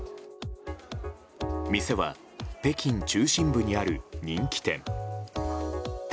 店は北京中心部にある人気店。